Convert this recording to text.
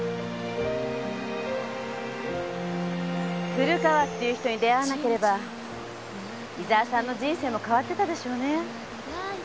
古川っていう人に出会わなければ伊沢さんの人生も変わってたでしょうね。